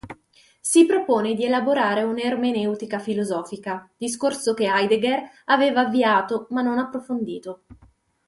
Si propone di elaborare un'"ermeneutica filosofica", discorso che Heidegger aveva avviato, ma non approfondito.